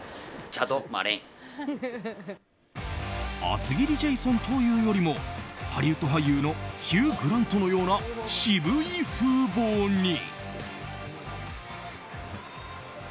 厚切りジェイソンというよりもハリウッド俳優のヒュー・グラントのような渋い風貌に。